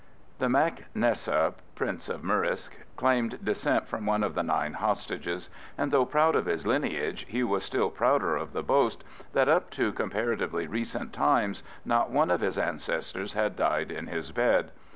The mac Nessa, Prince of Murrisk, claimed descent from one of the Nine Hostages; and though proud of his lineage, he was still prouder of the boast that, up to comparatively recent times, not one of his ancestors had died in his bed.